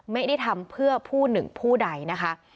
ไม่ได้ทำเพื่อผู้หนึ่งผู้ใดนะคะ